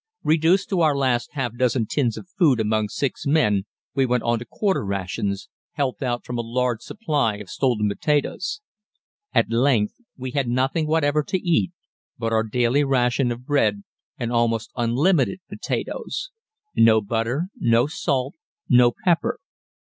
Reduced to our last half dozen tins of food among six men we went onto quarter rations, helped out from a large supply of stolen potatoes. At length we had nothing whatever to eat but our daily ration of bread and almost unlimited potatoes. No butter, no salt, no pepper.